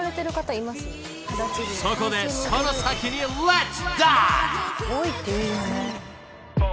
［そこでその先にレッツダイブ！］